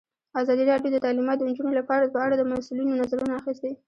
ازادي راډیو د تعلیمات د نجونو لپاره په اړه د مسؤلینو نظرونه اخیستي.